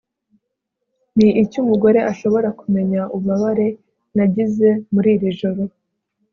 ni iki umugore ashobora kumenya ububabare nagize muri iri joro